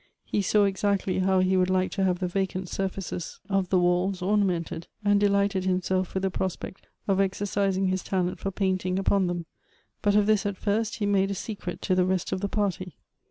He saw exactly how he would like to' have the vacant surfaces of the walls ornamented, and delighted himself with the pros pect of exercising his talent for painting upon them ; but of this, at first, he made a secret to the rest of the party.